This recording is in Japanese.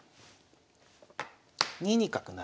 ２二角成。